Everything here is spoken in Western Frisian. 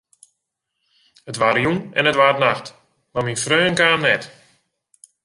It waard jûn en it waard nacht, mar myn freon kaam net.